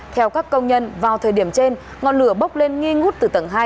theo các công nhân vào thời điểm trên ngọn lửa bốc lên nghi ngút từ tầng hai